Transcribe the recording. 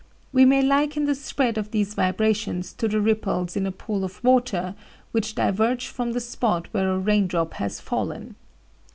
We may liken the spread of these vibrations to the ripples in a pool of water which diverge from the spot where a raindrop has fallen.